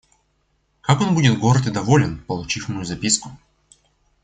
Как он будет горд и доволен, получив мою записку!